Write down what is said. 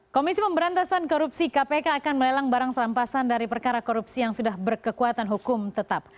komisi pemberantasan korupsi kpk akan melelang barang serampasan dari perkara korupsi yang sudah berkekuatan hukum tetap